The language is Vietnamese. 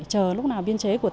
chờ lúc nào biên chế của tỉnh